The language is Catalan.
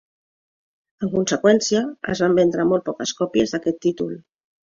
En conseqüència, es van vendre molt poques còpies d'aquest títol.